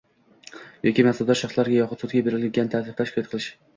yoki mansabdor shaxslarga yoxud sudga belgilangan tartibda shikoyat qilish;